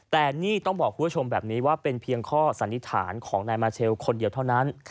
แต่นี่ต้องบอกคุณผู้ชมแบบนี้ว่าเป็นเพียงข้อสันนิษฐานของนายมาเชลคนเดียวเท่านั้น